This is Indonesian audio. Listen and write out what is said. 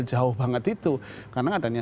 jauh banget itu karena adanya